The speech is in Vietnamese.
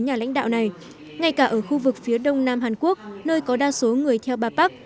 nhà lãnh đạo này ngay cả ở khu vực phía đông nam hàn quốc nơi có đa số người theo ba park